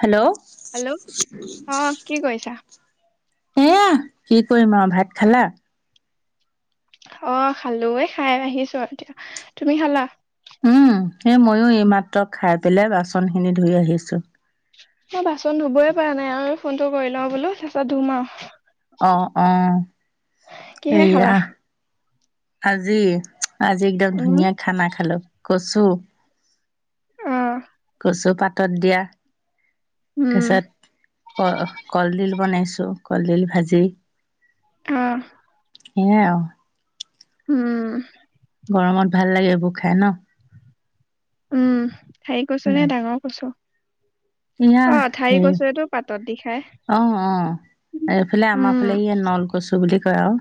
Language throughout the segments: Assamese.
হেল্ল'। হেল্ল' অ কি কৰিছা এয়া কি কৰিম আৰু ভাত খালা? অ' খালোঁ এ, খাই আহিছোঁ আৰু এতিয়া, তুমি খালা? উম, এ, ময়ো এইমাত্ৰ খাই পেলাই বাচন খিনি ধুই আহিছোঁ। মই বাচন ধুবই পৰা নাই আৰু ফোনটো কৰি লওঁ বোলো তাৰপিছত ধুম আৰু। অ', অ', কিহে সেয়া খালা আজি আজি একদম উম ধুনীয়া খানা খালোঁ কচু উম। কচু পাতত দিয়া। উম তাপিছত ক কলডিল বনাইছো কলডিল ভাজি। অহ। সেয়া আও। হুম। গৰমত ভাল লাগে এইবোৰ খাই ন? উম ঠাৰি কচু নে ডাঙৰ কচু? এয়া অ হে ঠাৰি কচু এইটো পাতত দি খাই। অ অ এইফালে আমাৰ উম ফালে ই নলকচু বুলি কয় আও।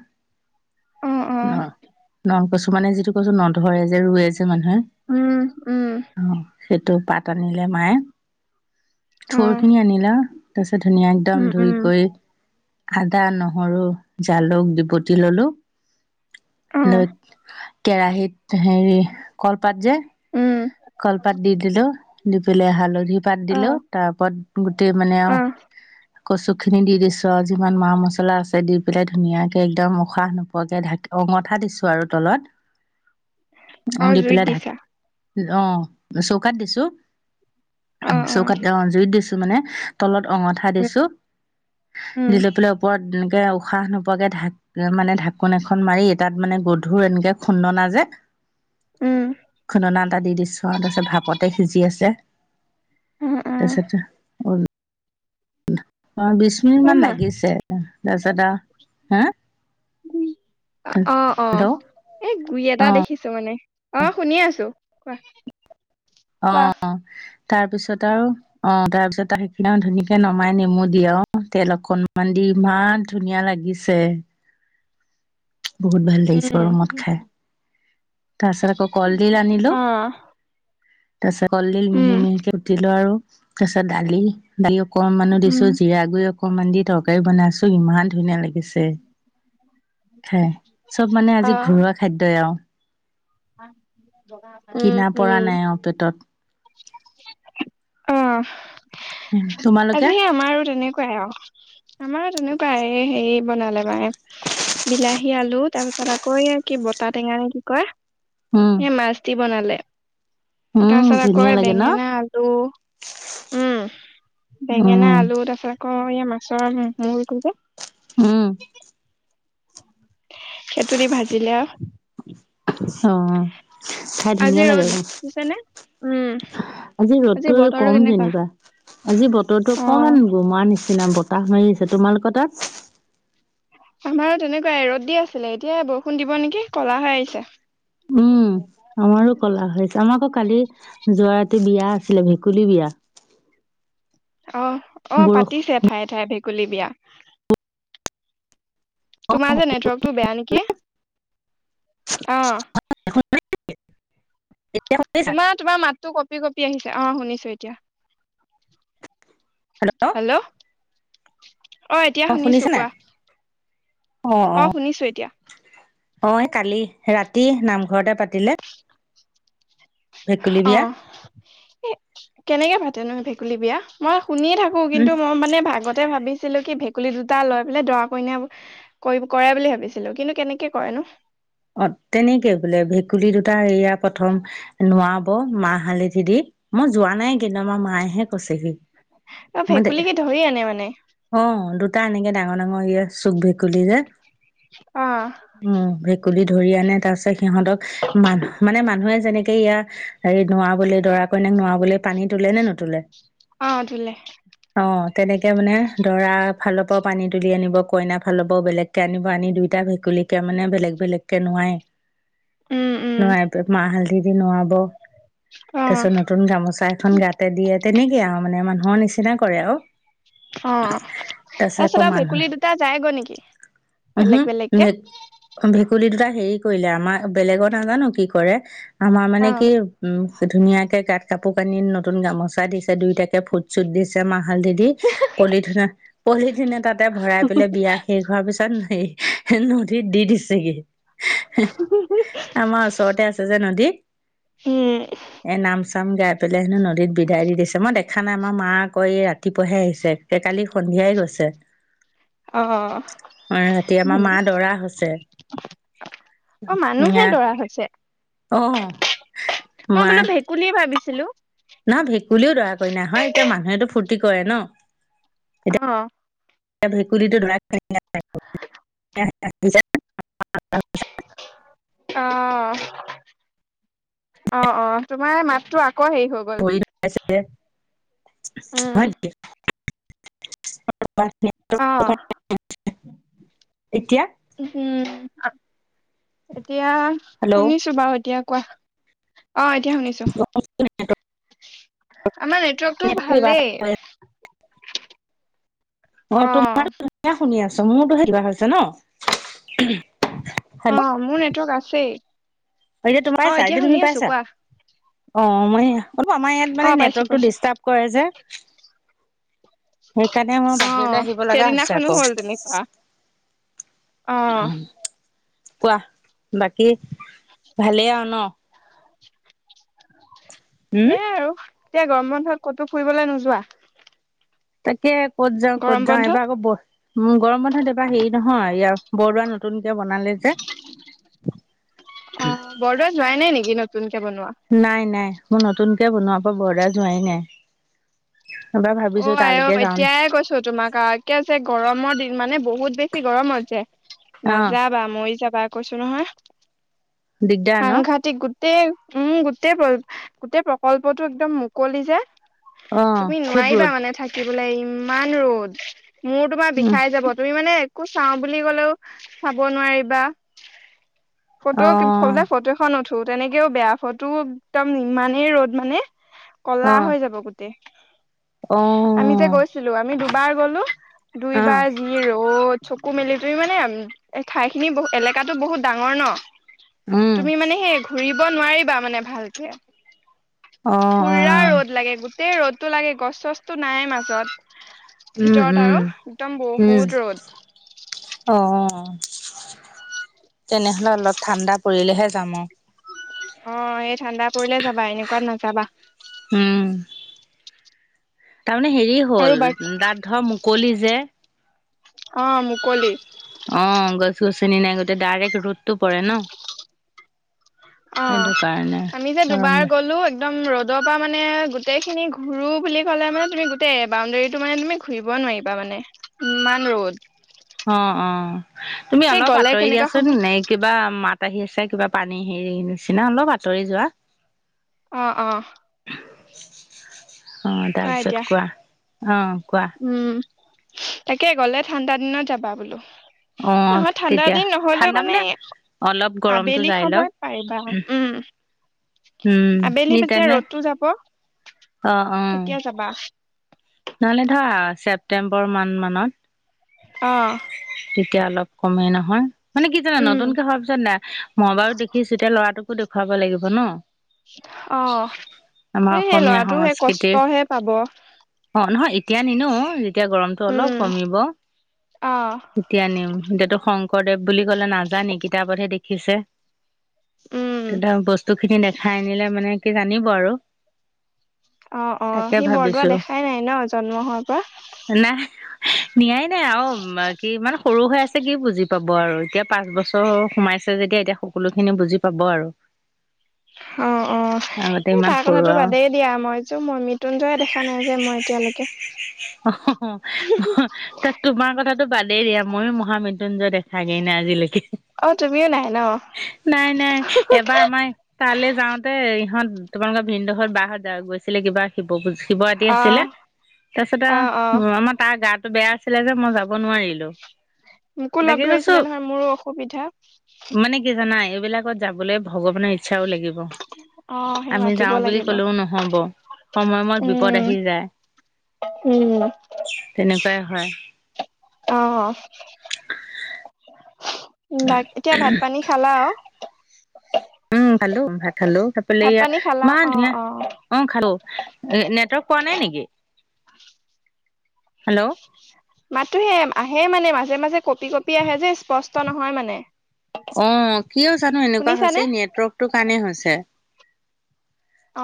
অ অ ন নল কছু মানে যিটো কচু নধৰে যে ৰুৱে যে মানুহে। উম উম। অ সেইটো পাত আনিলে মায়ে, অ থোৰ খিনি আনিলে। তাৰ পিছত ধুনীয়া উম একদম ধুই উম কৰি আদা, নহৰু, জালুক ডপটি ললো অ লৈ কেৰাহীত হেৰি কলপাত যে উম কলপাত দি দিলো। দি পেলাই হালধি পাত অ দিলো তাৰওপৰত গোটেই মানে অ আও কচু খিনি দি দিছো আৰু যিমান মা- মচলা আছে দি পেলাই ধুনীয়াকে একদম উশাহ নোপোৱাকে ঢা অঙঠা দিছো আৰু তলত। অ দি জুইত পেলাই ঢাকি দিছা? অ চৌকাত দিছো চৌকাত অ জুইত দিছো মানে। তলত অঙঠা দিছো উম দি লৈ পেলাই ওপৰত এনেকে উশাহ ন পোৱাকে ঢাক মানে ঢাকোন এখন মাৰি তাত মানে গধুৰ এনেকে খুন্দনা যে উম খুন্দনা এটা দি দিছোঁ আৰু তাৰপিছত ভাপতে সিজি আছে। উম অ অ তাৰপিচতে কল ধাকা বিশ মিনিট অ মান মা লাগিছে, তাৰপিছতে হা অ অ হেল্ল' এই গুৰি এটা অ দেখি ছোঁ মানে, অ শুনি আছো কোৱা? অ কোৱা তাৰপিছত আৰু অ তাৰ পিছত সেইখিনি ধুনাকে নমাই নেমু দি আৰু তেল অকনমান দি ইমান ধুনীয়া লাগিছে। বহুত ভাল লাগিছে ৰুমত খাই। তাৰ পাছত আকৌ কলডিল আনিলো অহ। তাৰপিছত কলডিল মিহি মিহিকে উটিলো আৰু তাৰপিছত দালি দালি অকণমানো দিছো জিৰা গুৰি অকমান দি তৰকাৰী বনাইছো ইমান ধুনীয়া লাগিছে। ছে খাই, চব মানে আজি ঘৰুৱা খাদ্যই আওঁ। ভাত [inaudible] কিনা পৰা নাই আৰু পেটত। অ তোমালোকে আজি আমাৰো তেনেকুৱাই আওঁ। আমাৰো তেনেকুৱাই হেৰি বনালে মায়ে বিলাহী আলু তাৰ পিছত আকৌ এই কি বটা টেঙানে কি কয়? উম। এই মাছ দি বনালে, উম তাৰপাছত আকৌ ধুনীয়া লাগে ন বেঙেনা আলু উম, উম বেঙেনা আলু তাৰপিছত আকৌ এই মাছৰ মূৰটো যে উম। সেইটো দি ভাজিলে আওঁ। অ, খাই আজি ধুনীয়া লাগে। ৰ'দ দিছে নে উম আজি ৰ'দতো বতৰটো কম কেনেকুৱা যেনিবা, আজি বতৰটো অ অকমান গোমা নিচিনা ব বতাহ মাৰি আছে, তোমালোকৰ তাত? আমাৰ তেনেকুৱাই ৰ'দ দি আছিলে, এতিয়া বৰষুণ দিব নেকি কলা হৈ আহিছে। উম, [inaudible] আমাৰো কলা হৈছে, আমাৰ আকৌ কালি যোৱা ৰাতি বিয়া আছিলে, ভেকুলী বিয়া। অ, অ, বৰষুণ পাতিছে ঠায়ে-ঠায়ে ভেকুলী বিয়া। তোমাৰ যে নেটৱৰ্কটো বেয়া নেকি, অ। এতিয়া শুনিছা? তোমাৰ, তোমাৰ মাতটো কঁপি-কঁপি আহিছে অ, শুনিছো এতিয়া। হেল্ল'! অ, এতিয়া শুনিছা শুনিছো, নাই? কোৱা? অ, অ। শুনিছো এতিয়া অ, এই কালি ৰাতি নামঘৰতে পাতিলে। ভেকুলী অ, বিয়া। কেনেকে পাতেনো ভেকুলী বিয়া? মই শুনিয়ে থাকো। কিন্তু উম, মই মানে ভাগতে ভাবিছিলো কি ভেকুলী দুটা লৈ পেলাই দৰা-কইনা কৰে বুলি ভাবিছিলো, কিন্তু কেনেকে কৰেনো? অ, তেনেকে বোলে, ভেকুলী দুটা এয়া প্ৰথম নোৱাব মাহ হালিধি দি, মই যোৱা নাই কিন্তু আমাৰ মায়েহে কৈছেহি। অ, মই দে ভেকুলী কি ধৰি আনে মানে? অ, দুটা এনেকে ডাঙৰ- ডাঙৰ হেৰিয়ৰ চুক ভেকুলী যে। অ। উম। ভেকুলী ধৰি আনে, তাৰপিছত সিহঁতক মান মানে মানুহে যেনেকে ইয়াৰ হেৰি নুৱাবলে দৰা কইনাক নোৱাবলে পানী তোলে নে নুতুললে? অ, তুলে। অ, তেনেকে মানে দৰা ফালৰ পৰা পানী তুলি আনিব, কইনাৰ ফালৰ পৰাও বেলেগ আনিব, আনি দুইটা ভেকুলীকে মানে বেলেগ-বেলেগ কে নোৱাই, উম, উম, নোৱাই মাহ- হালধি নোৱাব, তাৰ পিছত অ', নতুন গামোচা এখন গাতে দিয়ে। তেনেকেই আৰু মানে মানুহৰ নিচিনা কৰে আৰু। অ, তাৰ পিছত তাৰপিছত আকৌ আৰু মানুহ ভেকুলী দুটা যায়গৈ নেকি, উহু বেলেগ-বেলেগকে। ভে ভেকুলী দুটা হেৰি কৰিলে, আমাৰ বেলেগত নাজানো কি কৰে আমাৰ অ মানে কি উম, ধুনীয়াকে গাত কাপোৰ-কানি, নতুন গামোচা দিছে দুইটাকে। ফুট- চুট দিছে মাহ- হালধি দি, পলিথিন- পলিথিনে এটাতে ভৰাই পেলাই বিয়া শেষ হোৱাৰ পিছত নদীত দি দিছেগে। আমাৰ ওচৰতে আছে যে নদী। উম। এ, নাম- চাম গাই পেলাই হেনো নদীত বিদায় দি দিছে, মই দেখা নাই, আমাৰ মা আকৌ এই ৰাতিপুৱাহে আহিছে। কালি সন্ধিয়াই গৈছে। অ, ৰাতি আমাৰ মা দৰা হৈছে আহ। অমানুহে এয়া দৰা হৈছে, অ মই বোলো ভে কুলী ভাবিছিলো। না, ভেকুলীও দৰা-কইনা হয়, এতিয়া মানুহেটো ফুৰ টি কৰে ন! অ। এতিয়া ভেকুৰীটো দৰা- কইনা [unintelligible] অ অ অ তোমাৰ মাততো আকৌ হেৰি হৈ গ'ল [unintelligible] উম অ [unintelligible] এতিয়া উম আক এতিয়া হেল্ল' শুনিছো বাৰু এতিয়া কোৱা অ এতিয়া শুনিছো আমাৰ এক [unintelligible] অ এয়া শুনি আছো মোৰতোহে কিবা হৈছে ন অ হেল্ল' মোৰ নেটৱৰ্ক আছেই এতিয়া অ তোমাৰ এতিয়া চাইদে শুনি আছো পাইছা কোৱা অ মই এইয়া অলপ আমাৰ ইয়াত মানে অ পাইছো নেটৱৰ্কটো পাইছো ডিষ্টাৰ্ব কৰে যে সেইকাৰণে মোৰ বাহিৰলৈ আহিব লাগা হৈছে আকৌ আ অ কোৱা বাকী ভালেই আৰু ন উম ভালে আৰু এতিয়া গৰম বন্ধত ক'তো ফুৰিবলৈ নোযোৱা তাকে ক'ত যাওঁ ক'ত গৰম যাওঁ বন্ধত এবাৰ আকৌ ব উম গৰম বন্ধত এইবাৰ হেৰি নহয় ইয়াৰ বৰদুৱা নতুনকে বনালে যে অ বৰদোৱা যোৱাই নাই নেকি নতুনকে বনোৱা নাই নাই মোৰ নতুনকে বনোৱা পা বৰদুৱা যোৱাই নাই এবাৰ অ ভাবিছো আই অ তালৈকে যাওঁ এতিয়াই কৈছো তোমাক আক কে আছে গৰমৰ দিন মানে বহুত বেছি গৰমত যে অ নাযা যাবা মৰি যাবা কৈছো নহয় দিগদাৰ ন সাংঘাতিক গোটেই উম গোটেই প্ৰ গোটেই প্ৰকল্পটো একদম মুকলি যে অ তুমি খুব নোৱাৰিবা ৰ'দ মানে থাকিবলে ইমান ৰ'দ মোৰ তোমাৰ উম বিষাই যাব তুমি মানে কো চাওঁ বুলি ক'লেও চাব নোৱাৰিবা ফটো অ সবলে ফটো খন উঠো তেনেকেও বেয়া ফটো একদম ইমানেই ৰ'দ মানে অ ক'লা হৈ যাব গোট তে অ আমি যে গৈছিলো আমি দুবাৰ গ'লো অ দুইবাৰ যি ৰ'দ চকু মেলি তুমি মানে ঠাই খিনি বহু এলেকাতো বহুত ডাঙৰ ন উম তুমি মানে সেই ঘূৰিব নোৱাৰিবা মানে ভালকে অ অ পুৰা ৰ'দ লাগে গোটেই ৰ'দটো লাগে গছ চছটো নাই মাজত উম ভিতৰত উম আৰু একদম বহুত ৰ'দ অহ তেনেহলে অলপ ঠাণ্ডা পৰিলেহে যাম আৰু অ এই ঠাণ্ডা পৰিলে যাবা এনেকুৱাত নাযাবা উম তাৰমানে হেৰি আৰু হ'ল বাকী দাদ ধৰ মুকলি যে অ মুকলি অ গছ গছনি নাই গোটেই ডাইৰেক্ট ৰদটো পৰে ন অ সেইটো কাৰণে আমি যে দুবাৰ গৰম গলো এক দম ৰ'দৰ পা মানে গোটেইখিনি ঘূৰো বুলি ক'লে মানে তুমি গোটেই বাউণ্ডেৰীটো মানে তুমি ঘুৰিব নোৱাৰিবা মানে ইমান ৰ'দ অ অ তুমি সেই অলপ গ'লে আঁতৰি কেনেকুৱা দিয়াচোন সময় নে কিবা মাত আহি আছে কিবা পানী হেৰিৰ নিচিনা অলপ আঁতৰি যোৱা অ' অ' অ' তাৰপিছত কোৱা অ' কোৱা? উম' তাকে গ'লে ঠাণ্ডা দিনত যাবা বোলো। অ', নহয়, ঠাণ্ডা তেতিয়া দিন নহ'লে ঠাণ্ডা মানে অলপ গৰমটো আবেলি যাই লওক সময়ত পাৰিবা। উম' উম আবেলি ই যেতিয়া তেনেহ'লে ৰ'দটো যাব, অ', অ', তেতিয়া যাবা। নহ'লে ধৰা ছেপ্তেম্বৰ মান মানত। অ' তেতিয়া অলপ কমেই নহয় মানে কি জানা, উম নতুনকে হোৱাৰ পিছত ন মই বাৰু দেখিছোঁ এতিয়া ল'ৰাটোক ো [unintelligible] দেখুৱাব লাগিব ন। অ' আমাৰ সেই অসমীয়া ল'ৰাটো সেই সংস্কৃতিৰ কষ্টহে পাব। অ' নহয় এতিয়া নিনো, যেতিয়া গৰমতো অলপ উম কমিব। অ' তেতিয়া নিম, এতিয়াতো শংকৰদেৱ বুলি ক'লে নাজানি, কিতাপতহে দেখিছে। উম তেতিয়া বস্তু খিনি দেখাই আনিলে মানে সি জানিব আৰু। অ' অ' তাকে সি বৰদোৱা ভাবিছো দেখাই নাই ন, জন্ম হোৱাৰ পৰা। হয়নে নিয়াই এ আৰু সি মান সৰু হৈ আছে কি বুজি পাব আৰু এতিয়া পাঁচ বছৰ সোমাইছে যেতিয়া এতিয়া সকলোখিনি বুজি পাব আৰু। অ' অ'। আগতে এ ইমান তাৰ সৰু কথাতো আৰু বাদেই দিয়া মই যে মই মৃত্যুঞ্জয়ে দেখা নাই যে মই এতিয়ালৈকে। অ' ত তোমাৰ কথাতো বাদেই দিয়া, মইয়ো মহা মৃত্যুঞ্জয় দেখা দেখাগে নাই আজিলৈকে, অ তুমিও নাই ন নাই-নাই এবাৰ আমাৰ তালে যাওঁতে ইহঁত তোমালোকৰ ভিনদেউ হত, বা হত যাওঁ গৈছিলে কিবা সি বহুত শিৱ ৰাতি অ আছিলে, তাৰপিছতে অ অ আমাৰ তাৰ গাটো বেয়া আছিল। আছিলে যে মই যাব নোৱাৰিলোঁ। মোকো লগ ধৰিছিলে নহয়, মোৰো অসুবিধা। মানে কি জানা এইবিলাকত যাবলে ভগৱানৰ ইচ্ছাও লাগিব। লাগিব, অ সেই আমি মাতিব যাওঁ বুলি লাগিব কলেও নহ'ব। সময়মত বিপদ উম আহি যায়। উম' তেনেকুৱাই হয়। অ'হ এতিয়া ভাত-পানী খালা আৰু? উম' খালোঁ ভাত খালোঁ তাৰপৰা ভাত এইয়া পানী খালা ইমান অ ধুনীয়া অ অ' খালোঁ। নেটৱৰ্ক পোৱা নাই নেকি? হেল্ল' মাতটোহে আহে মানে মাজে-মাজে, কপি-কঁপি আহে যে, স্পষ্ট নহয় মানে। অ' কিয় জানো এনেকুৱা শুনিছানে হৈছে, নেটৱৰ্কটো কাৰণে হৈছে।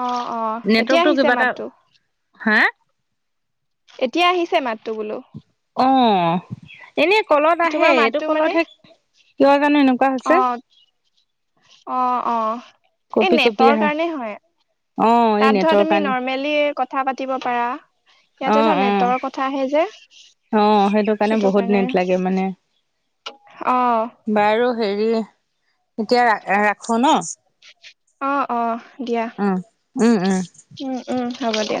অ' অ' এতিয়া নেটৱৰ্কটো আহিছে কিবা এটা মাতটো। হা? এতিয়া আহিছে মাতটো বোলোঁ। অ' এনে কলত আহে, তোমাৰ এইটো মাতটো মানে কলতহে কিয় জানো এনেকুৱা অ হৈছে। অ' অ' এই কঁপি কঁপি নেটৰ আহে কাৰণে হয়। অ' এই তাত ধৰা নেটৰ তুমি কাৰণে নৰ্মেলি কথা পাতিব পাৰা, ইয়াতে অ' ধৰা অ' নেটৰক উঠাহে যে। অ', সেইটো কাৰণে বহুত নেট লাগে মানে অ বাৰু হেৰি এতিয়া ৰাখো ন'। অ অ দিয়া উম, উম, উম। উম, উম, হ'ব দিয়া।